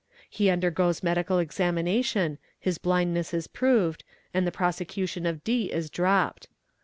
He undergoes medical examination, his blindness is proved, and the prosecution of D is dropped.